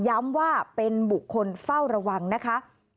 ย้ำว่าเป็นบุคคลเฝ้าระวังนะคะ